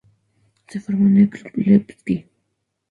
Se formó en el club Levski.